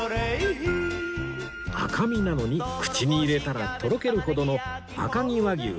赤身なのに口に入れたらとろけるほどの赤城和牛